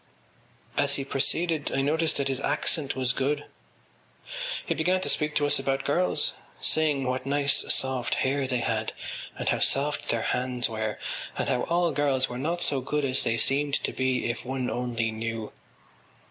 As he proceeded I noticed that his accent was good. He began to speak to us about girls, saying what nice soft hair they had and how soft their hands were and how all girls were not so good as they seemed to be if one only knew.